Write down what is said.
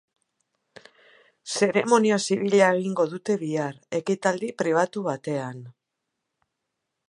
Zeremonia zibila egingo dute bihar, ekitaldi pribatu batean.